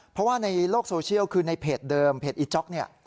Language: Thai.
เพราะว่าในโลกโซเชียลคือในเพจเดิมเพจอีจ๊อกเนี่ย